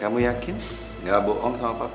kamu yakin gak bohong sama partai